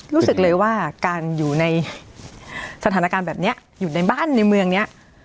รู้สึกเลยว่าการอยู่ในสถานการณ์แบบนี้อยู่ในบ้านในเมืองนี้